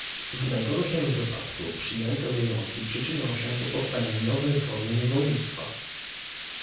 W najgorszym wypadku przyjęte wyjątki przyczynią się do powstania nowej formy niewolnictwa